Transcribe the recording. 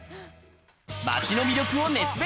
街の魅力を熱弁。